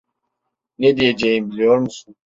Ne diyeceğim biliyor musun?